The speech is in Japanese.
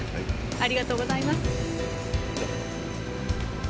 ありがとうございます。